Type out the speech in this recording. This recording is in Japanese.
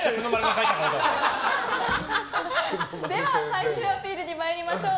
では最終アピールに参りましょう。